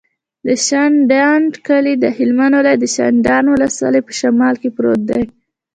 د شینډنډ کلی د هلمند ولایت، شینډنډ ولسوالي په شمال کې پروت دی.